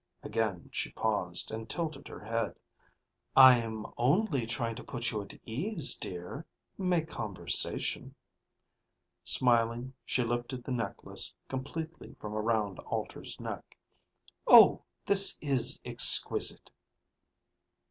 Again she paused and tilted her head. "I'm only trying to put you at ease, dear, make conversation." Smiling, she lifted the necklace completely from around Alter's neck. "Oh, this is exquisite